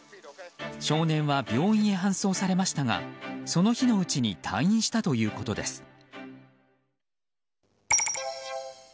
少年は病院に搬送されましたがその日のうちに退院したということです。